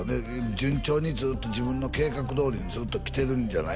順調にずっと自分の計画どおりにずっと来てるんじゃない？